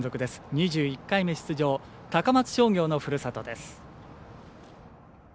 ２１回目出場、高松商業のふるさとです。